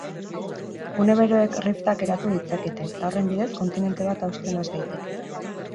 Gune beroek riftak eratu ditzakete, eta horren bidez, kontinente bat hausten has daiteke.